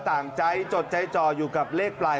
ต่างใจจดใจจ่ออยู่กับเลขปลาย